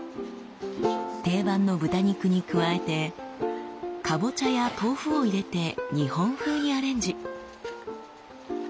定番の豚肉に加えてかぼちゃや豆腐を入れて日本風にアレンジ。